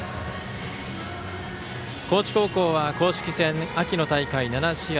高知高校は公式戦、秋の大会７試合